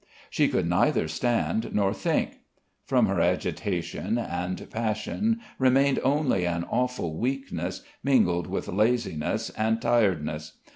She could neither stand nor think.... From her agitation and passion remained only an awful weakness mingled with laziness and tiredness.